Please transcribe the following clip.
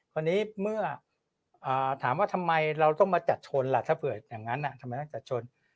คราวนี้เมื่อถามว่าทำไมเราต้องมาจัดชนล่ะถ้าเผื่ออย่างนั้นทำไมต้องจัดชน